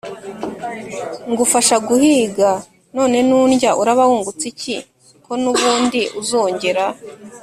ngufasha guhiga, none nundya uraba wungutse iki ko n’ubundi uzongera